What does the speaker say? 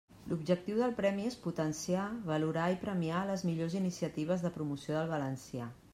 L'objectiu del premi és potenciar, valorar i premiar les millors iniciatives de promoció del valencià.